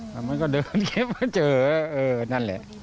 แล้วมันก็เดินเก็บมาเจอเออนั่นแหละ